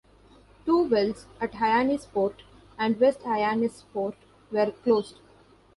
Two wells, at Hyannisport and West Hyannisport, were closed.